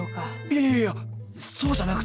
いやいやいやそうじゃなくて。